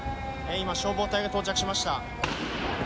今、消防隊が到着しました。